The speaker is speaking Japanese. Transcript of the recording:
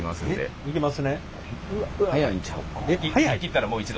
行き切ったらもう一度。